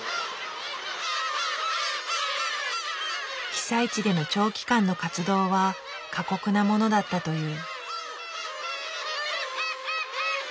被災地での長期間の活動は過酷なものだったという。